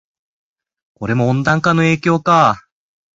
これも温暖化の影響か